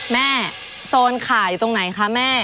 โซนขายอยู่ตรงไหนคะแม่